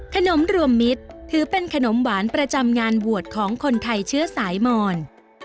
ขนมรวมมิตรถือเป็นขนมหวานประจำงานบวชของคนไทยเชื้อสายมอน